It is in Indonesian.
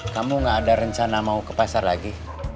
kamu gak ada rencana mau ke pasar lagi